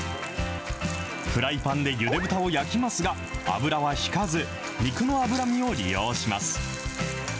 フライパンでゆで豚を焼きますが、油はひかず、肉の脂身を利用します。